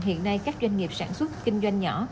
hiện nay các doanh nghiệp sản xuất kinh doanh nhỏ